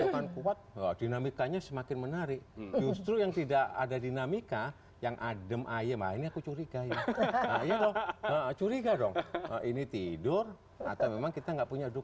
hai tadi adam ae mainnya ke singkiran hai karena semua ini tidur ah tapi ambassador